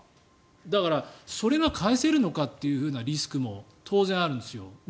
だから、それが返せるのかっていうリスクも当然あるんです。